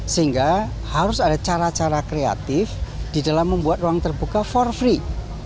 sehingga harus ada cara cara kreatif di dalam membuat ruang terbuka for free